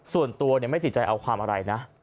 ส่วนตัวไม่ติดใจเอาความอะไรนะ